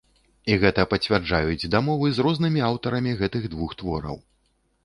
І гэта пацвярджаюць дамовы з рознымі аўтарамі гэтых двух твораў.